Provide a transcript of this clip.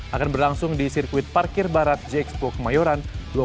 akan berlangsung di sirkuit parkir barat jxpo kemayoran